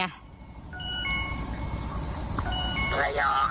ระยองอ่ะ